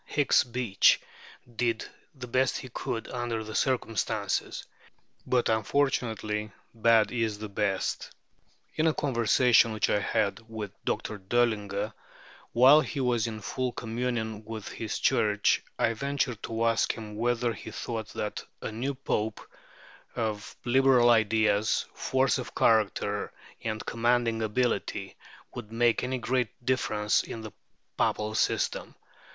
Hicks Beach did the best he could under the circumstances; but, unfortunately, bad is the best. In a conversation which I had with Dr. Döllinger while he was in full communion with his Church, I ventured to ask him whether he thought that a new Pope, of Liberal ideas, force of character, and commanding ability, would make any great difference in the Papal system.